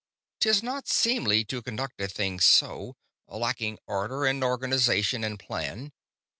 'Tis not seemly to conduct a thing so; lacking order and organization and plan.